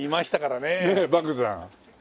ねえ莫山。